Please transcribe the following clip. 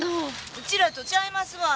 うちらとちゃいますわ。